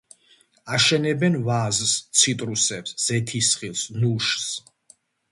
აშენებენ ვაზს, ციტრუსებს, ზეთისხილს, ნუშს.